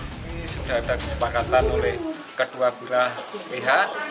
ini sudah ada kesepakatan oleh kedua belah pihak